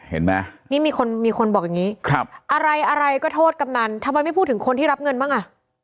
เห็นไหมนี่มีคนมีคนบอกอย่างนี้ครับอะไรอะไรก็โทษกำนันทำไมไม่พูดถึงคนที่รับเงินบ้างอ่ะ